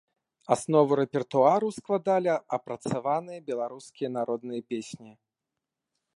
Аснову рэпертуару складалі апрацаваныя беларускія народныя песні.